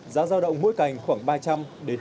giá giao động mỗi cành khoảng ba trăm linh một triệu đồng